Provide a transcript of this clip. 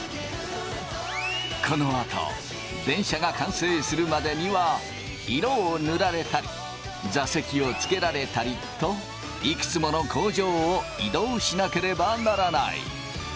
このあと電車が完成するまでには色を塗られたり座席をつけられたりといくつもの工場を移動しなければならない。